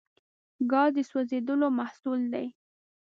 ګاز د سوځیدلو محصول دی.